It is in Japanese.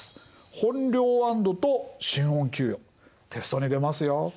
本領安堵と新恩給与テストに出ますよ。